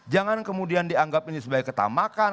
jangan kemudian dianggap ini sebagai ketamakan